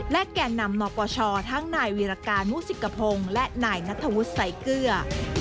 และแก่นำนปชทั้งนายวีรการมุสิกพงศ์และนายนัทธวุฒิใส่เกลือ